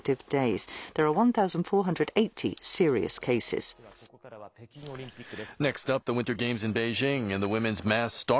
ではここからは北京オリンピックです。